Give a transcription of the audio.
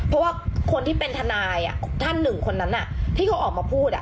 เพราะว่าคนที่เป็นทนายท่านหนึ่งคนนั้นที่เขาออกมาพูด